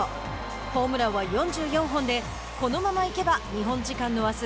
ホームランは４４本でこのまま行けば日本時間のあす